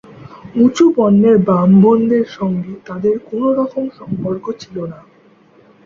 উঁচু বর্ণের ব্রাহ্মণদের সঙ্গে তাঁদের কোনরকম সম্পর্ক ছিল না।